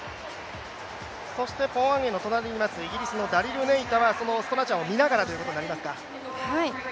そしてポワンエの隣にいます、イギリスのダリル・ネイタはそのストラチャンを見ながらということになりますか。